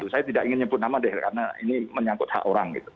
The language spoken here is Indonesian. saya tidak ingin nyebut nama deh karena ini menyangkut hak orang gitu